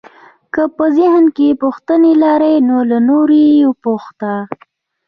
که په ذهن کې پوښتنې لرئ نو له نورو یې وپوښته.